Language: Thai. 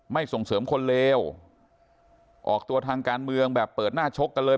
ส่งเสริมคนเลวออกตัวทางการเมืองแบบเปิดหน้าชกกันเลย